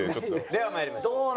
では参りましょう。